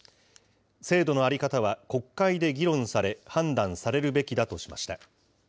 制度の在り方は国会で議論され、判断されるべきだとしました。